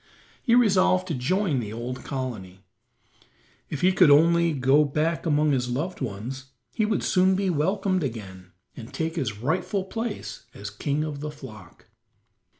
He resolved to join the old colony. If he could only go back among his loved ones he would soon be welcomed again and take his rightful place as king of the flock.